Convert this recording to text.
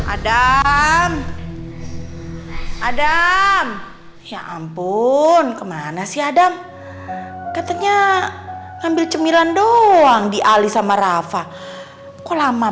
adam adam ya ampun kemana sih adam katanya ambil cemilan doang diali sama rafa kok lama